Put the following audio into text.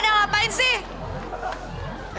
lu pada ngapain sih